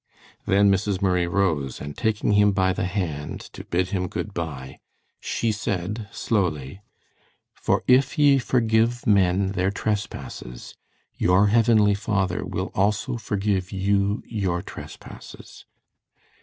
Then Mrs. Murray rose, and taking him by the hand to bid him good by, she said, slowly: "'For if ye forgive men their trespasses, your heavenly Father will also forgive you your trespasses.'